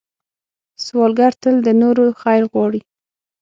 سوالګر تل د نورو خیر غواړي